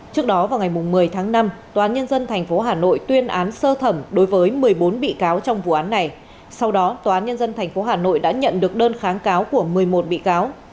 trước đó vào ngày một mươi tháng năm tòa án nhân dân tp hà nội tuyên án sơ thẩm đối với một mươi bốn bị cáo trong vụ án này sau đó tòa án nhân dân tp hà nội đã nhận được đơn kháng cáo của một mươi một bị cáo